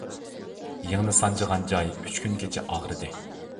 يىڭنە سانجىغان جاي ئۈچ كۈنگىچە ئاغرىدى.